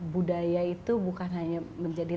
budaya itu bukan hanya menjadi